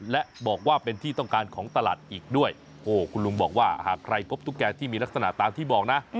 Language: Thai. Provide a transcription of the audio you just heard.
และบอกว่าเป็นที่ต้องการของตลาดอีกด้วยโอ้คุณลุงบอกว่าหากใครพบตุ๊กแกที่มีลักษณะตามที่บอกนะ